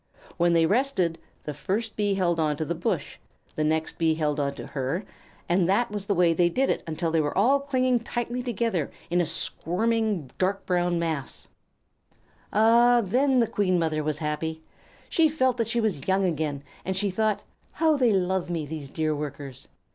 When they rested, the first Bee held on to the bush, the next Bee held on to her, and that was the way they did until they were all clinging tightly together in a squirming, dark brown mass. Ah, then the Queen Mother was happy! She felt that she was young again, and she thought, "How they love me, these dear Workers!"